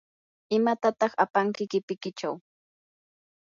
¿imatataq apanki qipikichaw?